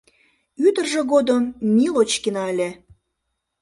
Ӱдыржӧ годым Милочкина ыле.